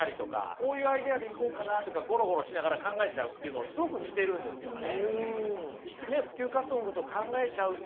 こういうアイデアでいこうかなとかゴロゴロしながら考えちゃうっていうのすごく似てるんですよね。